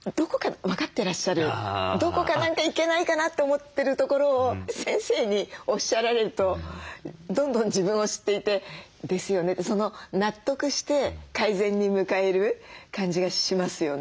どこか何かいけないかなと思ってるところを先生におっしゃられるとどんどん自分を知っていて「ですよね」って納得して改善に向かえる感じがしますよね。